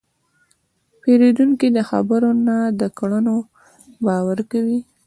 پیرودونکی د خبرو نه، د کړنو باور کوي.